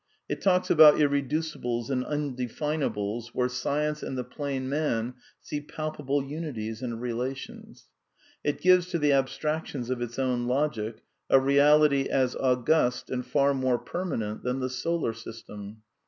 It talks about irreducibles and undev>C finables where science and the plain man see palpable uni ties and relations. It gives to the abstractions of its own L> logic a reality as august and far more permanent than ther^ solar system.